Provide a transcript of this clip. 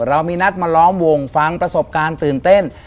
เรามีนัดมาล้อมวงฟังประสบการณ์ตื่นเต้น